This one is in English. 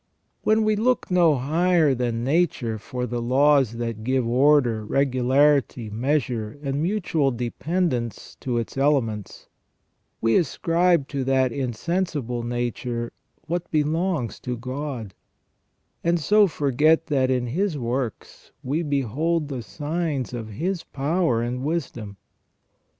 When we look no higher than nature for the laws that give order, regularity, measure, and mutual dependence to its ele ments, we ascribe to that insensible nature what belongs to God, and so forget that in His works we behold the signs of His power and wisdom.